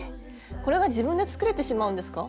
これが自分で作れてしまうんですか？